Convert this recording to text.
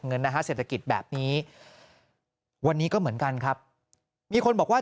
เงินนะฮะเศรษฐกิจแบบนี้วันนี้ก็เหมือนกันครับมีคนบอกว่า